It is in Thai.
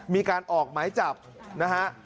มีการออกหมายจับนะฮะ